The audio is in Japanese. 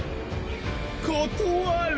断る。